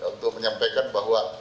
untuk menyampaikan bahwa